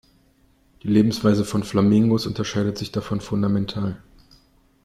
Die Lebensweise von Flamingos unterscheidet sich davon fundamental.